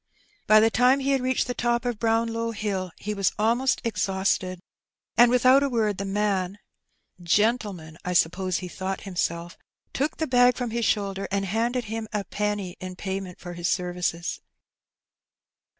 By the time he had reached the top of Brownlow Hill he was almost exhausted, and without a word the man (gentleman, I suppose he thought himself) took the bag from his shoulder and handed him a penny in payment for his services.